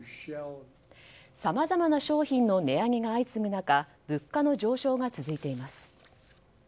さまざまな商品の値上げが相次ぐ中物価の上昇が続いています。